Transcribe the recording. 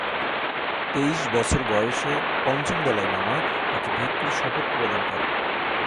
তেইশ বছর বয়সে পঞ্চম দলাই লামা তাকে ভিক্ষুর শপথ প্রদান করেন।